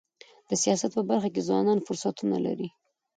د سیاست په برخه کي ځوانان فرصتونه لري.